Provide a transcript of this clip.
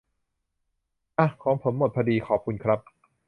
อ๊ะ ของผมหมดพอดี ขอบคุณครับ